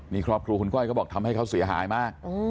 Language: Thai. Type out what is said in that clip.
นี่ครอบครัวคุณก้อยเขาบอกทำให้เขาเสียหายมาก